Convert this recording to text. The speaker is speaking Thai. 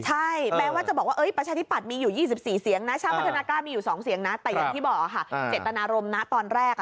ใช่แม้ว่าจะบอกว่าประชาธิปัตย์มีอยู่๒๔เสียงนะชาติพัฒนากล้ามีอยู่๒เสียงนะแต่อย่างที่บอกค่ะเจตนารมณ์นะตอนแรก